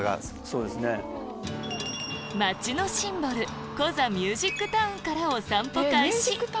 街のシンボルコザ・ミュージックタウンからお散歩開始